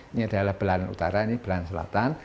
ini adalah belan utara ini belan selatan